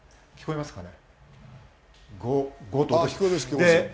音聞こえますかね？